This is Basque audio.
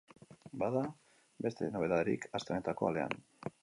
Bada beste nobedaderik aste honetako alean.